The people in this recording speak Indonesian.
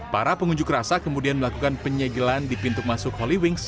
para pengunjuk rasa kemudian melakukan penyegelan di pintu masuk holy wings